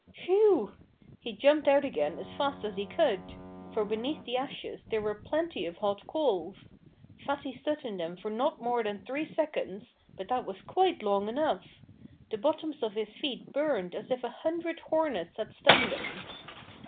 WHEW! He jumped out again as fast as he could; for beneath the ashes there were plenty of hot coals. Fatty stood in them for not more than three seconds, but that was quite long enough. The bottoms of his feet burned as if a hundred hornets had stung them.